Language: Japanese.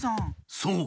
そう。